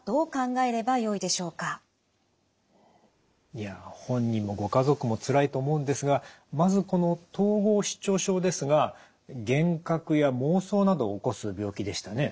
いや本人もご家族もつらいと思うんですがまずこの統合失調症ですが幻覚や妄想などを起こす病気でしたね？